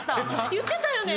言ってたよね？